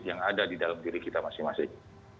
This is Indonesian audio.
yang ada di dalam diri kita masing masing